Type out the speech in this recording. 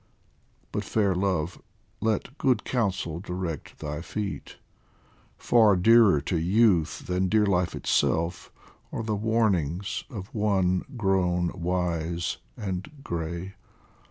But, fair Love, let good counsel direct thy feet ; Far dearer to youth than dear life itself Are the warnings of one grown wise and grey